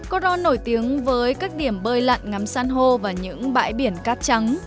koron nổi tiếng với các điểm bơi lặn ngắm săn hô và những bãi biển cát trắng